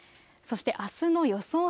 そしてあすの予想